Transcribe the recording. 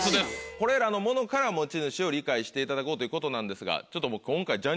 これらのものから持ち主を理解していただこうということなんですが。